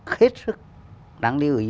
khết sức đáng lưu ý